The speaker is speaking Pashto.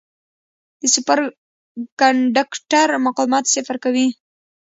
د سوپر کنډکټر مقاومت صفر کوي.